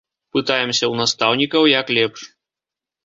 Пытаемся ў настаўнікаў, як лепш.